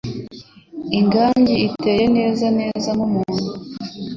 ingagi iteye neza neza nk'umuntu